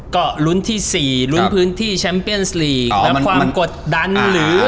ก็ลุ้นที่สี่ลุ้นพื้นที่แชมป์เปียนส์ลีกและความกดดันหรือ